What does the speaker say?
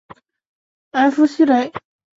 埃夫雷西。